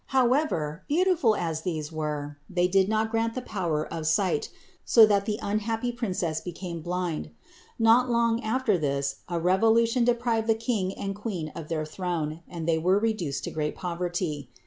However, beautiful as these were, they did not grant the power of sight, so that the unhappy princess became blind. Not long after this a revolution deprived the king and queen of their throne and they were reduced to great poverty.